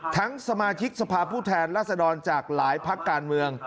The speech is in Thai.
สมาชิกสภาพผู้แทนรัศดรจากหลายพักการเมือง